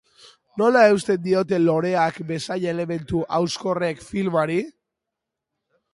Nola eusten diote loreak bezain elementu hauskorrek filmari?